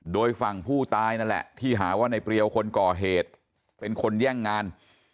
โดยฝั่งผู้ตายนั่นแหละที่หาว่าในเปรียวคนก่อเหตุเป็นคนแย่งงาน